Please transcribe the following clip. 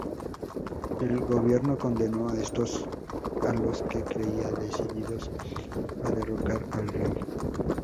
El Gobierno condenó a estos, a los que creía decididos a derrocar al rey.